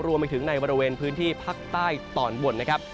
รวมไปถึงในบริเวณพื้นที่ภาคใต้ตอนบนนะครับ